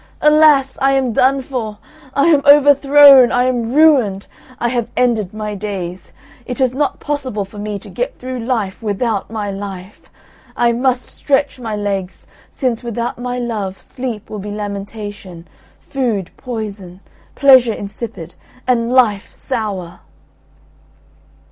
Alas! I am done for, I am overthrown, I am ruined, I have ended my days; it is not possible for me to get through life without my life; I must stretch my legs, since without my love sleep will be lamentation, food, poison, pleasure insipid, and life sour."